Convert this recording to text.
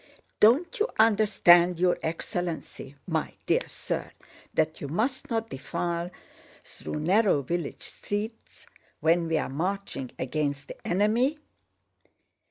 "Don't you understand, your excellency, my dear sir, that you must not defile through narrow village streets when we are marching against the enemy?"